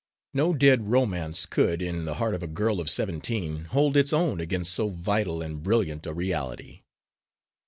No dead romance could, in the heart of a girl of seventeen, hold its own against so vital and brilliant a reality.